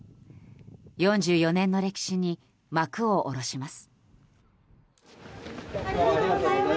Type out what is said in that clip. ４４年の歴史に幕を下ろします。